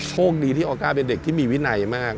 โชคดีที่ออก้าเป็นเด็กที่มีวินัยมาก